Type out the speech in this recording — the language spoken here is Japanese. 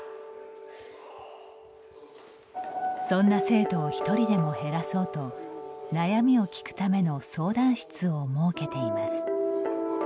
そんな生徒を一人でも減らそうと悩みを聞くための相談室を設けています。